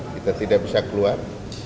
kita tidak bisa keluar